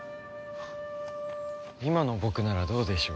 今の僕ならどうでしょう？